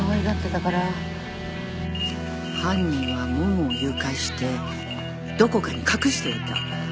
犯人はモモを誘拐してどこかに隠していた。